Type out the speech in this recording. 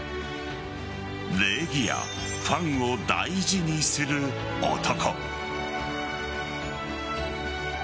礼儀やファンを大事にする男。